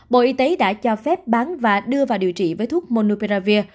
bộ y tế đã cho phép bán và đưa vào điều trị với thuốc monuperavir